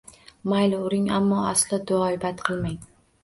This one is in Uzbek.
Mayli uring, ammo aslo duoibad qilmang